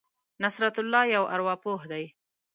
نصرت الله یو ارواپوه دی.